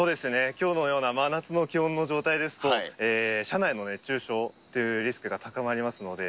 きょうのような真夏の気温の状態ですと、車内の熱中症っていうリスクが高まりますので。